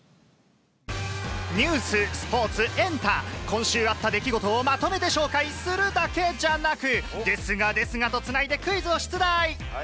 ニュース、スポーツ、エンタ、今週あった出来事をまとめて紹介するだけじゃなく、ですがですがとつないでクイズを出題。